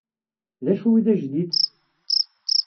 D acu i d ajdid?